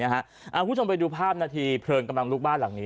คุณผู้ชมไปดูภาพนาทีเพลิงกำลังลุกบ้านหลังนี้